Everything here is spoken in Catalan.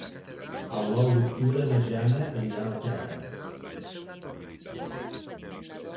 El nou d'octubre na Jana anirà al teatre.